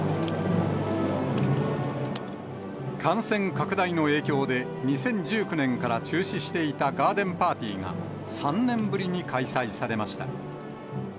感染拡大の影響で、２０１９年から中止していたガーデンパーティーが、３年ぶりに開催されました。